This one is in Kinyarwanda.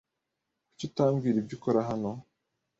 Kuki utambwira ibyo ukora hano?